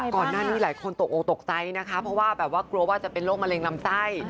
ก่อนหน้านี้มีหลายคนตกโกรธตกใจนะคะเพราะว่ากลัวจะเป็นโรคมะเร็งลำไส้